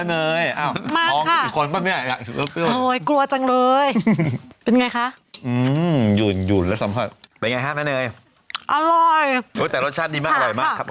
นี่แค่ฟังแล้วมันต้องโดนครับ